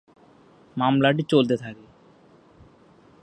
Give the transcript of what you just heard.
মামলাটি চলতে থাকে।